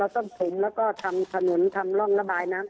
ต้นถมแล้วก็ทำถนนทำร่องระบายน้ำ